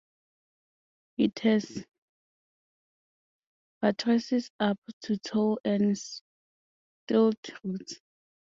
It has buttresses up to tall and stilt roots.